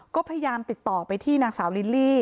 ก็พยายามติดต่อไปที่นางสาวลิลลี่